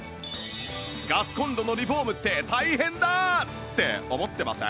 ガスコンロのリフォームって大変だ！って思ってません？